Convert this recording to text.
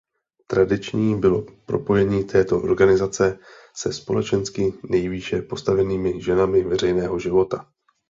Tradiční bylo propojení této organizace se společensky nejvýše postavenými ženami veřejného života.